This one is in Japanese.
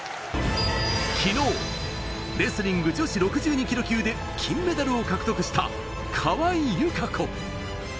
昨日、レスリング女子６２ｋｇ級で金メダルを獲得した川井友香子。